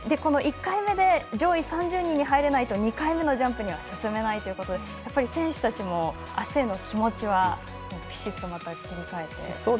１回目で上位３０人に入れないと２回目のジャンプには進めないということでやっぱり、選手たちもあすへの気持ちはぴしっと切り替えて。